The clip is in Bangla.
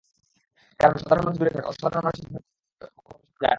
কারণ, সাধারণ মানুষ দূরে থাক, অসাধারণ মানুষের দিনও কখনো সমান যায় না।